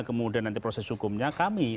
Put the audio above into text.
kemudian nanti proses hukumnya kami